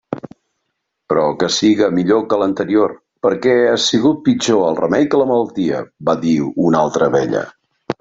Però que siga millor que l'anterior, perquè ha sigut pitjor el remei que la malaltia —va dir una altra abella.